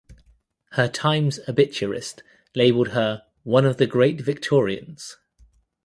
Her "Times" obituarist labelled her "one of the great Victorians".